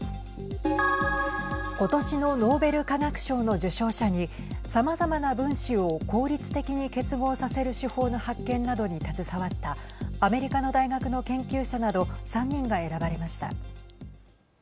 今年のノーベル化学賞の受賞者にさまざまな分子を効率的に結合させる手法の発見などに携わったアメリカの大学の研究者など３人が選ばれました。